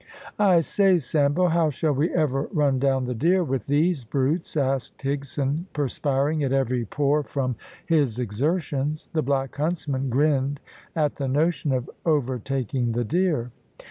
"I say, Sambo, how shall we ever run down the deer with these brutes?" asked Higson, perspiring at every pore from his exertions. The black huntsman grinned at the notion of overtaking the deer.